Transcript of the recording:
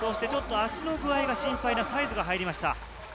足の具合が心配なサイズが入りました。